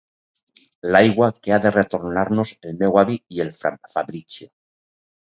L'aigua que ha de retornar-nos el meu avi i el Fabrizio...